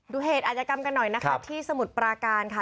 เหตุอาจกรรมกันหน่อยนะคะที่สมุทรปราการค่ะ